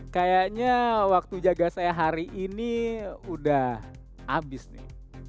kayaknya waktu jaga saya hari ini udah habis nih